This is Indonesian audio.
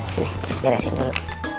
sini disperasin dulu